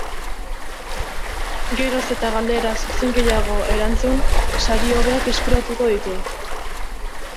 Geroz eta galdera zuzen gehiago erantzun, sari hobeak eskuratuko ditu.